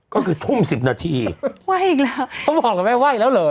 ก็คือทุ่มสิบนาทีไหว้อีกแล้วเขาบอกกับแม่ไหว้แล้วเหรอ